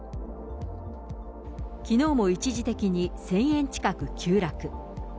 きのうも一時的に１０００円近く急落。